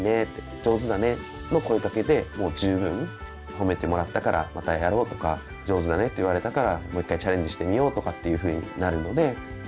褒めてもらったからまたやろうとか上手だねって言われたからもう１回チャレンジしてみようとかっていうふうになるので。